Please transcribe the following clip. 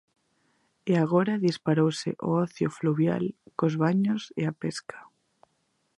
E agora disparouse o ocio fluvial cos baños e a pesca.